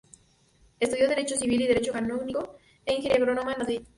Estudió Derecho Civil y Derecho Canónico, e Ingeniería Agrónoma en Madrid.